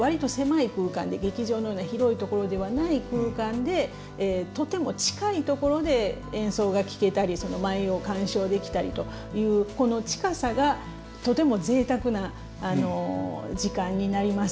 劇場のような広いところではない空間でとても近いところで演奏が聴けたり舞を鑑賞できたりというこの近さがとてもぜいたくな時間になります。